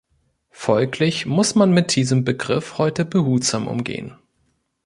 Folglich muss man mit diesem Begriff heute behutsam umgehen.